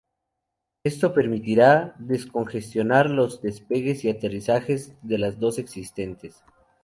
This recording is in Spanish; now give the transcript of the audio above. Esto permitirá descongestionar los despegues y aterrizajes de las dos existentes.